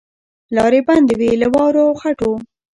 لاري بندي وې له واورو او له خټو